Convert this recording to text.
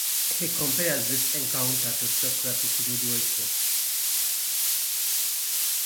He compares this encounter to Socratic midwifery.